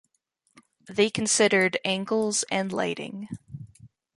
They considered angles and lighting.